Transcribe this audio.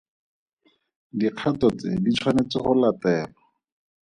Dikgato tse di tshwanetseng go latelwa.